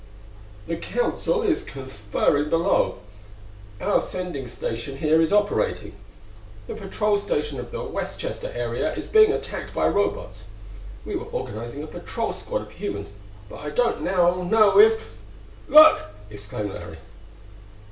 "The Council is conferring below. Our sending station here is operating. The patrol station of the Westchester area is being attacked by Robots. We were organizing a patrol squad of humans, but I don't know now if " "Look!" exclaimed Larry.